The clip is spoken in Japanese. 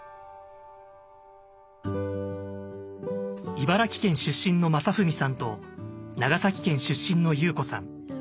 茨城県出身の将史さんと長崎県出身の裕子さん。